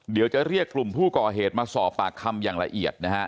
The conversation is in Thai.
เดี๋ยวจะเรียกกลุ่มผู้ก่อเหตุมาสอบปากคำอย่างละเอียดนะฮะ